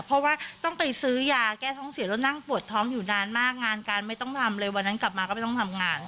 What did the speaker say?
เพราะว่าต้องไปซื้อยาแก้ท้องเสียแล้วนั่งปวดท้องอยู่นานมากงานการไม่ต้องทำเลยวันนั้นกลับมาก็ไม่ต้องทำงาน